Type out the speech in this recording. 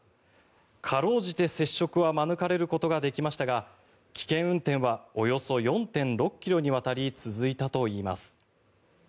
かろうじて接触は免れることができましたが危険運転はおよそ４．６ｋｍにわたり続いたといいます。